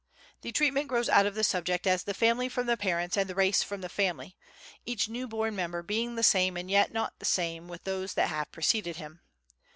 The treatment grows out of the subject as the family from the parents and the race from the family—each new born member being the same and yet not the same with those that have preceded him.